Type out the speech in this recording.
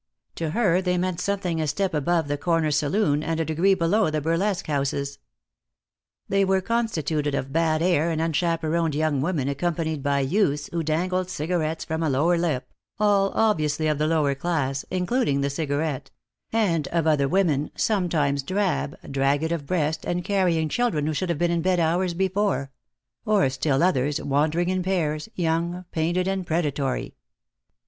To her they meant something a step above the corner saloon, and a degree below the burlesque houses. They were constituted of bad air and unchaperoned young women accompanied by youths who dangled cigarettes from a lower lip, all obviously of the lower class, including the cigarette; and of other women, sometimes drab, dragged of breast and carrying children who should have been in bed hours before; or still others, wandering in pairs, young, painted and predatory.